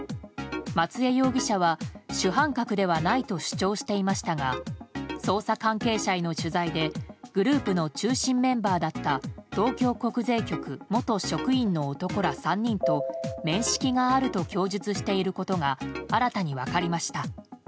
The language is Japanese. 松江容疑者は主犯格ではないと主張していましたが捜査関係者への取材でグループの中心メンバーだった東京国税局元職員の男ら３人と面識があると供述していることが新たに分かりました。